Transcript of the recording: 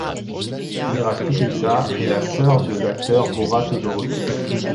Mira Stupica est sœur de l'acteur Bora Todorović.